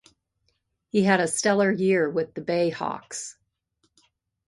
He had a stellar year with the BayHawks.